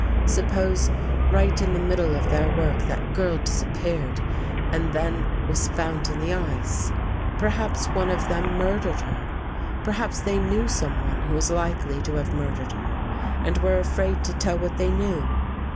Suppose right in the middle of their work that girl disappeared and then was found in the ice. Perhaps one of them mur dered her; perhaps they knew someone who is likely to have murdered her and were afraid to tell what they knew.